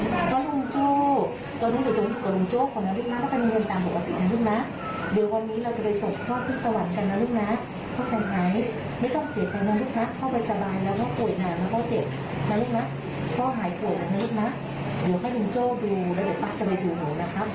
เดี๋ยวพ่อลุงโจฟตรงดูแล้วหลักก็เดี๋ยวดูหนู